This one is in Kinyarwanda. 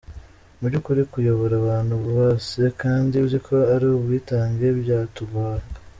Mu by’ukuri kuyobora abantu bose kandi uzi ko ari ubwitange byatugoraga.